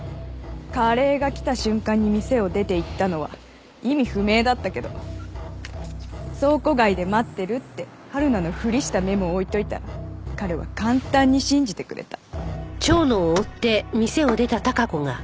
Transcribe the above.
カレーが来た瞬間に店を出て行ったのは意味不明だったけど「倉庫街で待ってる」ってはるなのふりしたメモを置いといたら彼は簡単に信じてくれた。